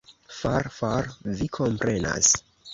For, for, vi komprenas.